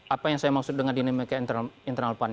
apa yang saya maksud dengan dinamika internal pan